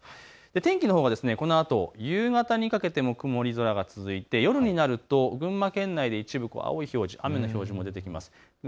天気はこのあと夕方にかけても曇り空が続いて夜になると群馬県内、一部青い表示、雨の表示も出てきます。